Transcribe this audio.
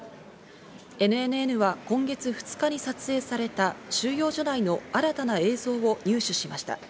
ＮＮＮは今月２日に撮影された収容所内の新たな映像を入手しました。